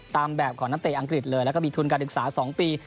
ตามแบบของนักเตะอังกฤษเลยแล้วก็มีทุนการศึกษา๒ปี